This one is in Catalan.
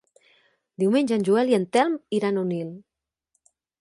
Diumenge en Joel i en Telm iran a Onil.